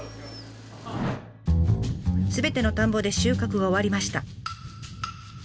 すべての田んぼで収穫が終わりました。